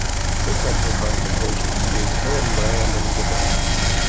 This led to a confrontation between Hillenbrand and Gibbons.